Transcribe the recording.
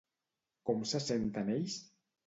Com se senten ells?